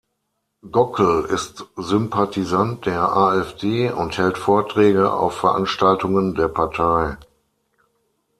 Gockel ist Sympathisant der AfD und hält Vorträge auf Veranstaltungen der Partei.